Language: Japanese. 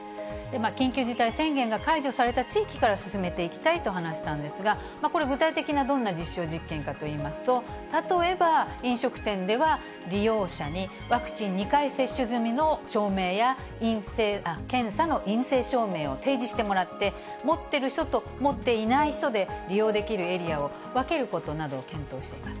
緊急事態宣言が解除された地域から進めていきたいと話したんですが、これ、具体的にはどんな実証実験かといいますと、例えば飲食店では、利用者にワクチン２回接種済みの証明や検査の陰性証明を提示してもらって、持ってる人と持っていない人で利用できるエリアを分けることなどを検討しています。